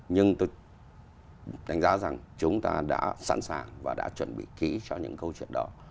nhưng tôi đánh giá rằng chúng ta đã sẵn sàng và đã chuẩn bị kỹ cho những câu chuyện đó